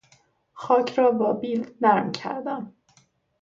خاک را با بیل نرم کردم.